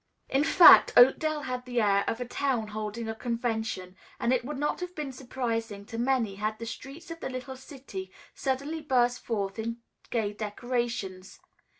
In fact, Oakdale had the air of a town holding a convention, and it would not have been surprising to many had the streets of the little city suddenly burst forth in gay decorations.